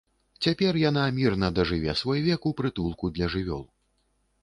Цяпер яна мірна дажыве свой век у прытулку для жывёл.